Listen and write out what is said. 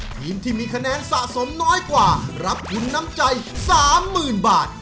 ทีมที่มีคะแนนสะสมน้อยกว่ารับคุณน้ำใจสามหมื่นบาท